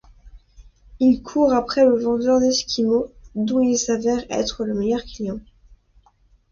Il court après le vendeur d'Esquimau dont il s'avère être le meilleur client.